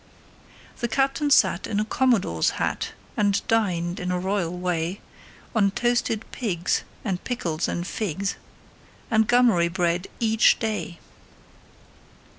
The captain sat in a commodore's hat And dined, in a royal way, On toasted pigs and pickles and figs And gummery bread, each day.